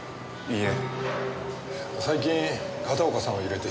いいえ。